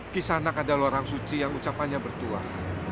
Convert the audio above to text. kisanak adalah orang suci yang ucapannya bertuah